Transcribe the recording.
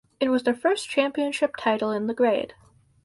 It was their first championship title in the grade.